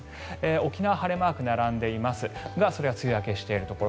沖縄は晴れマークが並んでいますがそれは梅雨明けしているところ。